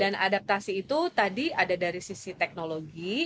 dan adaptasi itu tadi ada dari sisi teknologi